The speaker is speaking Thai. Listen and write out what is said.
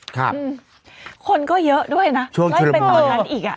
คนก็เยอะด้วยนะแล้วเป็นเวลาอีก